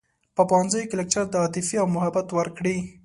په پوهنځیوکې لکچر د عاطفې او محبت ورکړی